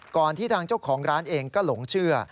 ที่ทางเจ้าของร้านเองก็หลงเชื่อ